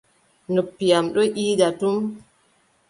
Noppi am don iida tum.